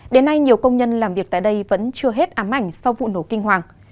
đến nay nhiều công nhân làm việc tại đây vẫn chưa hết ám ảnh sau vụ nổ kinh hoàng